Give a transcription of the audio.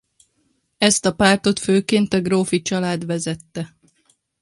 Ezt a pártot főként a grófi család vezette.